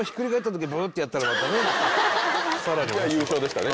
優勝でしたね。